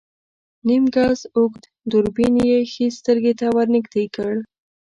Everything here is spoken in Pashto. نيم ګز اوږد دوربين يې ښی سترګې ته ور نږدې کړ.